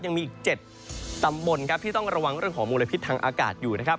ยังมีอีก๗ตำบลครับที่ต้องระวังเรื่องของมลพิษทางอากาศอยู่นะครับ